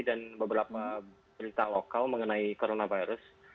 dan beberapa berita lokal mengenai coronavirus